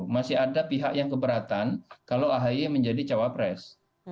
masih ada pihak yang keberatan kalau ahy menjadi cawapres